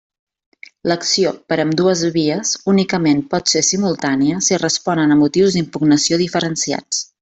L'acció per ambdues vies únicament pot ser simultània si responen a motius d'impugnació diferenciats.